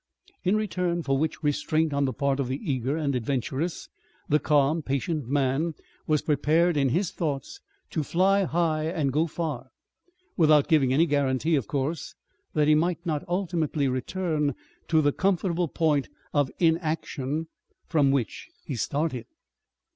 In return for which restraint on the part of the eager and adventurous, the calm patient man was prepared in his thoughts to fly high and go far. Without giving any guarantee, of course, that he might not ultimately return to the comfortable point of inaction from which he started.